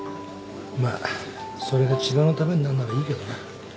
まあそれが千葉のためになんならいいけどな。